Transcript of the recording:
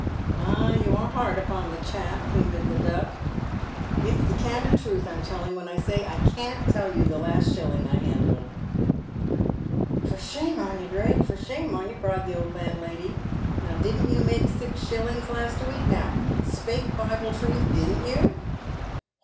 "Ah, you are hard upon a chap," pleaded the Duck. "It's the candid truth I'm telling, when I say, I can't tell you the last shilling I handled." "For shame on yer, Drake — for shame on yer!" cried the land lady ;" now didn't you make six shilling last week — now, spake Bible truth— didn't you